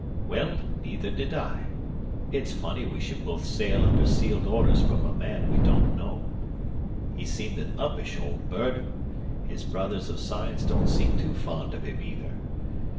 "Well, neither did I. It's funny we should both sail under sealed orders from a man we don't know. He seemed an uppish old bird. His brothers of science don't seem too fond of him, either.